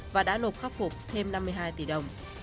và đã nộp khắc phục thêm năm mươi hai tỷ đồng